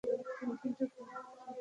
মেশিনটা খুব জবরদস্ত, স্যার।